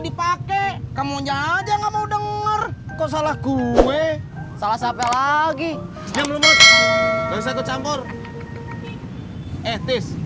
dipakai kamu nyanyi nggak mau denger kok salah gue salah siapa lagi campur eh